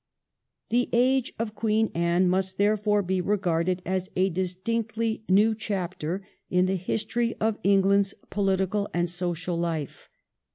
The age of Queen Anne must therefore be regarded as a distinctly new chapter in the history of England's political and social life.